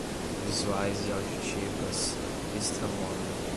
visuais e auditivas, estramónio